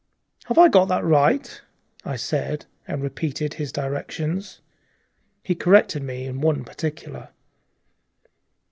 "Have I got that right?" I said, and repeated his directions. He corrected me in one particular.